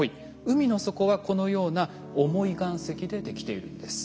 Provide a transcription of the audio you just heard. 海の底はこのような重い岩石でできているんです。